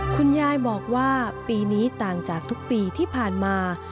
คุณยายบอกว่าปีนี้ต่างจากทุกปีที่ผ่านมา